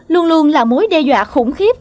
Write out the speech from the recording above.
luôn luôn là mối đe dọa khủng khiếp